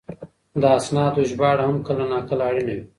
د اسنادو ژباړه هم کله ناکله اړینه وي.